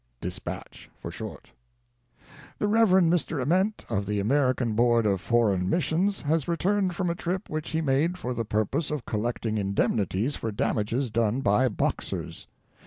dispatch" for short: "The Rev. Mr. Ament, of the American Board of Foreign Missions, has returned from a trip which he made for the purpose of collecting indemnities for damages done by Boxers.